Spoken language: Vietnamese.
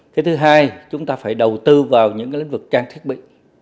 cái thứ hai chúng ta phải đầu tư vào những cái lĩnh vực trang thiết bị